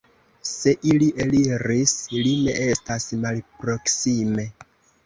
Se li eliris, li ne estas malproksime.